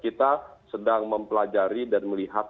kita sedang mempelajari dan melihat